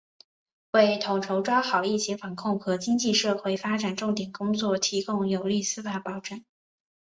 为统筹抓好疫情防控和经济社会发展重点工作提供有力司法保障